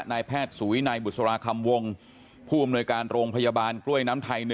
นายแพทย์สุวินัยบุษราคำวงผู้อำนวยการโรงพยาบาลกล้วยน้ำไทย๑